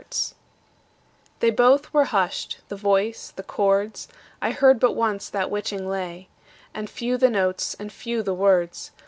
They both were husht, the voice, the chords, I heard but once that witching lay; And few the notes, and few the words.